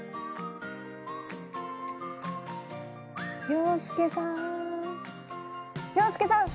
洋輔さん洋輔さん！